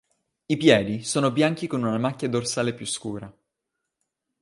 I piedi sono bianchi con una macchia dorsale più scura.